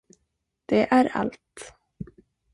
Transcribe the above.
Det är allt.